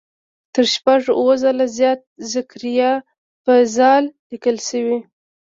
تر شپږ اووه ځله زیات زکریا په "ذ" لیکل شوی.